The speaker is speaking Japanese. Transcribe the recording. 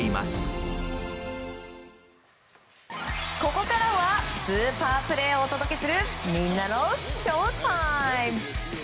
ここからはスーパープレーをお届けするみんなのＳＨＯＷＴＩＭＥ。